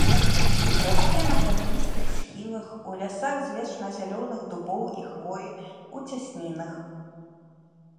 Расце на камяністых схілах, у лясах з вечназялёных дубоў і хвоі, у цяснінах.